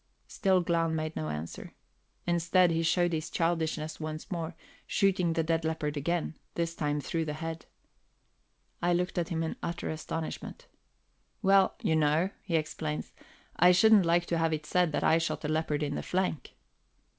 Still Glahn made no answer. Instead, he showed his childishness once more, shooting the dead leopard again, this time through the head. I looked at him in utter astonishment. "Well, you know," he explains, "I shouldn't like to have it said that I shot a leopard in the flank."